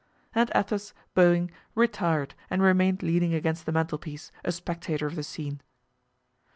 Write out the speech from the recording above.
And Athos, bowing, retired and remained leaning against the mantelpiece, a spectator of the scene.